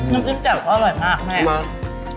น้ำจิ้มแจ่วชอบมากเลย